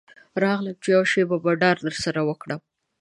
راغلم چې یوه شېبه بنډار درسره وکړم.